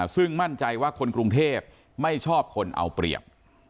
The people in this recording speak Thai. ซึ่งมั่นใจว่าคนกรุงเทพไม่ชอบคนเอาเปรียบ